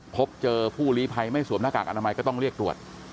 พบเจอผู้ลีภัยไม่สวมหน้ากากอนามัยก็ต้องเรียกตรวจ